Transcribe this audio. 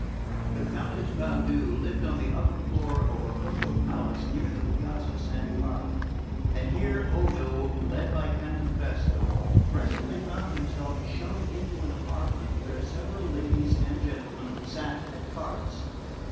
The Countess Valdu lived on the upper floor of a rococo palace near the Piazza San Carlo; and here Odo, led by Cantapresto, presently found himself shown into an apartment where several ladies and gentlemen sat at cards.